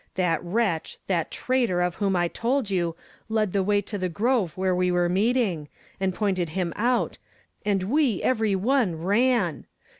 That wretch, that traitor of whom I told you, led the way to the grove where we were meeting, and pointed him out and we every one ran